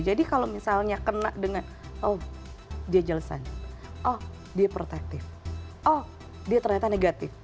jadi kalau misalnya kena dengan oh dia jelasan oh dia protective oh dia ternyata negatif